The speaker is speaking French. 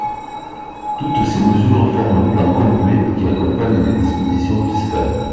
Toutes ces mesures forment un plan complet qui accompagne les dispositions fiscales.